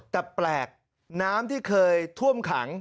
แต่แปลกน้ำที่เคยท่วมขัง